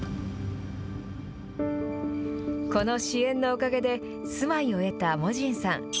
この支援のおかげで、住まいを得たモジンさん。